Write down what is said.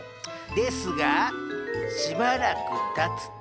ですがしばらくたつと。